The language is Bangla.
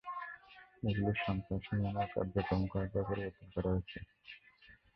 এগুলোর সংখ্যা, সীমানা এবং কার্যক্রম কয়েকবার পরিবর্তন করা হয়েছে।